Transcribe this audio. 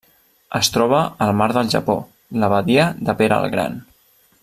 Es troba al mar del Japó: la badia de Pere el Gran.